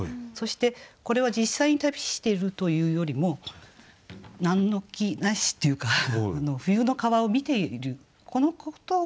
そしてこれは実際に旅しているというよりも何の気なしというか冬の川を見ているこのことが旅であるというね